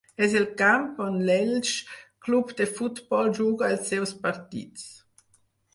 És el camp on l'Elx Club de Futbol juga els seus partits.